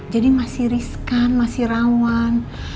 jadi masih riskan masih rawan